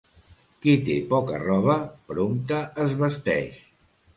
Qui té poca roba, prompte es vesteix.